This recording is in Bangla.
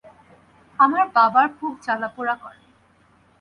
আমার বাবার বুক জ্বালা পুড়া করে।